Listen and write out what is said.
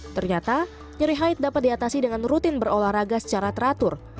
ternyata nyeri haide dapat diatasi dengan rutin berolahraga secara teratur